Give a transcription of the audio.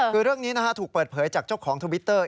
คือเรื่องนี้ถูกเปิดเผยจากเจ้าของทวิตเตอร์